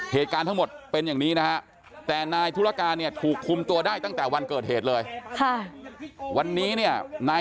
เหตุการณ์ทั้งหมดเป็นอย่างนี้นะฮะแต่นายธุรการเนี่ยถูกคุมตัวได้ตั้งแต่วันเกิดเหตุเลยค่ะวันนี้เนี่ยนาย